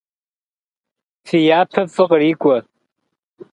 Фи япэ фӏы кърикӏуэ.